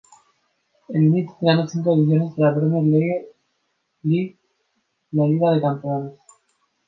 En United, ganó cinco ediciones de la Premier League y la Liga de campeones.